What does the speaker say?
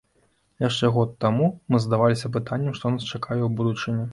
Яшчэ год таму мы задаваліся пытаннем, што нас чакае ў будучыні.